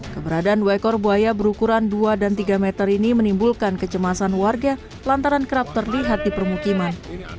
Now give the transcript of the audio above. keberadaan dua ekor buaya berukuran dua dan tiga meter ini menimbulkan kecemasan warga lantaran kerap terlihat di permukiman